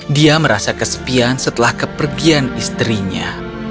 dia merasa kesepian setelah kepergian istrinya